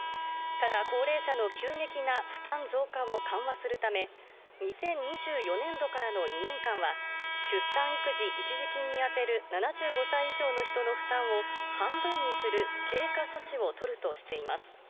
ただ、高齢者の急激な負担増加を緩和するため、２０２４年度からの２年間は、出産育児一時金に充てる７５歳以上の人の負担を半分にする経過措置を取るとしています。